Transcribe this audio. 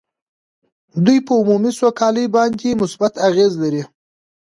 دوی په عمومي سوکالۍ باندې مثبت اغېز لري